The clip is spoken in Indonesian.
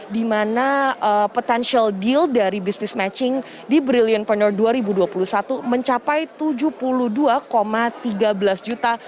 di mana potential deal dari business matching di brilliantpreneur dua ribu dua puluh satu mencapai tujuh puluh dua tiga belas juta